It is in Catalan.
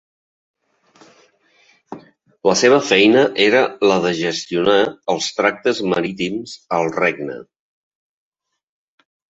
La seva feina era la de gestionar els tractes marítims al regne.